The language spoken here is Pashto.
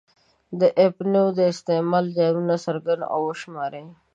د اپینو د استعمال زیانونه څرګند او وشماري.